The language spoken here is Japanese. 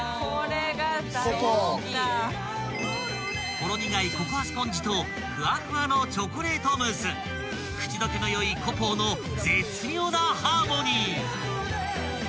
［ほろ苦いココアスポンジとふわふわのチョコレートムース口どけのよいコポーの絶妙なハーモニー］